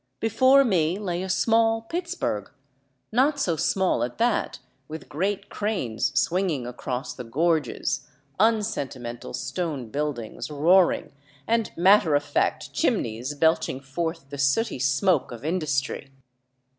Before me lay a small Pittsburgh, not so small at that, with great cranes swinging across the gorges, unsentimental stone buildings roar ing and matter of fact chimneys belching forth the sooty smoke of in dustry.